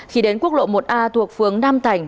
khi đến quốc lộ một a thuộc phường nam thành